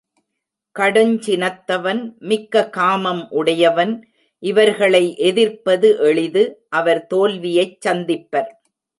கடுஞ்சினத்தவன், மிக்க காமம் உடையவன் இவர்களை எதிர்ப்பது எளிது அவர் தோல்வியைச் சந்திப்பர்.